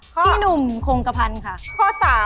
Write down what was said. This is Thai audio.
พี่หนุ่มโครงกระพันค์ค่ะ